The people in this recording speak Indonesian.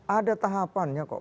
ada tahapannya kok